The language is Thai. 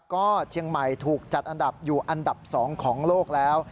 ก็เชียงใหม่ถูกจัดอันดับอยู่อันดับ๒ของโลกแล้ว